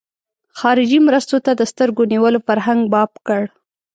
خارجي مرستو ته د سترګو نیولو فرهنګ باب کړ.